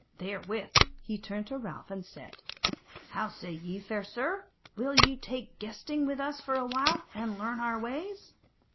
Therewith he turned to Ralph and said: "How say ye, fair sir, will ye take guesting with us a while and learn our ways?"